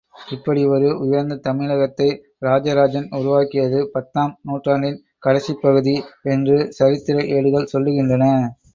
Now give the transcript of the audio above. இப்படி ஒரு உயர்ந்த தமிழகத்தை ராஜராஜன் உருவாக்கியது பத்தாம் நூற்றாண்டின் கடைசிப் பகுதி என்று சரித்திர ஏடுகள் சொல்லுகின்றன.